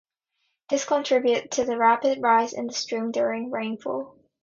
This contributes to the rapid rise in the stream during rainfall.